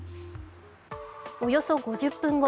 およそ５０分後